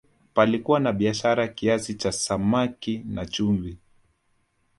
palikuwa na biashara kiasi cha samaki na chumvi